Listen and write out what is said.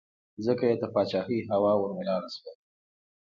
ځکه یې د پاچهۍ هوا ور ولاړه شوه.